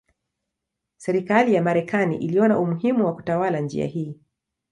Serikali ya Marekani iliona umuhimu wa kutawala njia hii.